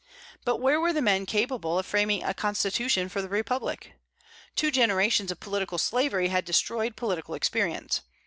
But where were the men capable of framing a constitution for the republic? Two generations of political slavery had destroyed political experience.